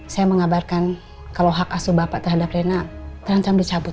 saya mengabarkan kalau hak asuh bapak terhadap rena terancam dicabut